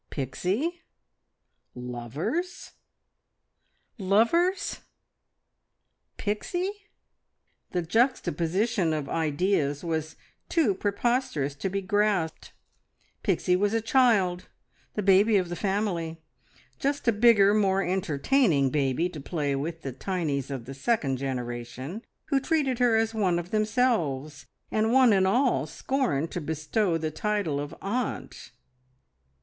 Pixie! Lovers! Lovers! Pixie! ... The juxtaposition of ideas was too preposterous to be grasped. Pixie was a child, the baby of the family, just a bigger, more entertaining baby to play with the tinies of the second generation, who treated her as one of themselves, and one and all scorned to bestow the title of "aunt."